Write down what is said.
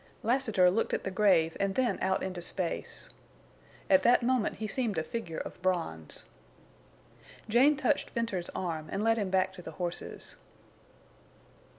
Lassiter looked at the grave and then out into space. At that moment he seemed a figure of bronze. Jane touched Venters's arm and led him back to the horses.